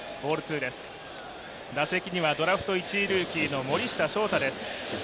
打席にはドラフト１位ルーキーの森下瑠大です。